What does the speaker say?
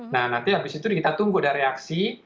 nah nanti habis itu kita tunggu ada reaksi